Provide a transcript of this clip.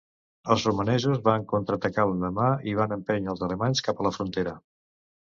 Els romanesos van contraatacar l'endemà, i van empènyer els alemanys cap a la frontera.